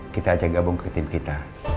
kita ajak gabung ke tim kita